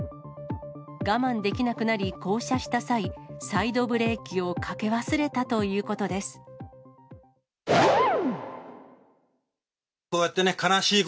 我慢できなくなり降車した際、サイドブレーキをかけ忘れたとい